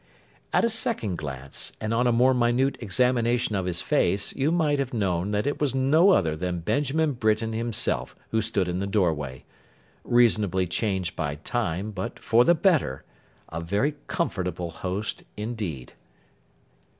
At a second glance, and on a more minute examination of his face, you might have known that it was no other than Benjamin Britain himself who stood in the doorway—reasonably changed by time, but for the better; a very comfortable host indeed.